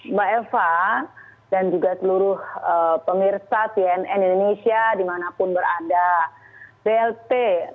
mbak elva dan juga seluruh pengirsa tnn indonesia dimanapun berada blt